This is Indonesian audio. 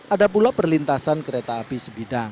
ada pula perlintasan kereta api sebidang